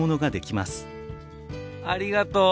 ありがとう！